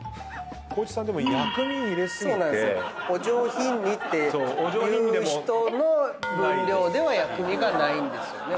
「お上品に」って言う人の分量では薬味がないんですよね。